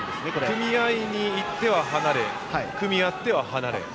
組み合いに行っては離れ組み合っては離れ。